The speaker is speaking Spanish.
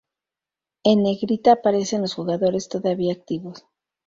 En negrita aparecen los jugadores todavía activos.